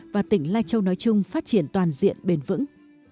và tỉnh lai châu nói chung phát triển toàn diện bền vững